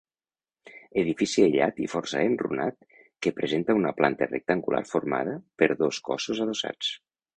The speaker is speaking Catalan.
Edifici aïllat i força enrunat que presenta una planta rectangular formada per dos cossos adossats.